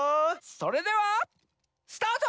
それではスタート！